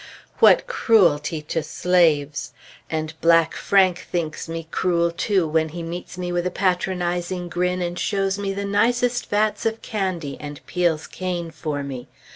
What cruelty to slaves! And black Frank thinks me cruel, too, when he meets me with a patronizing grin, and shows me the nicest vats of candy, and peels cane for me.